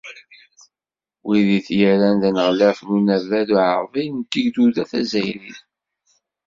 Wid i t-yerran d aneɣlaf n Unabad Uɛḍil n Tegduda Tazzayrit.